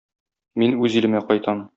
Мин үз илемә кайтам.